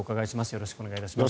よろしくお願いします。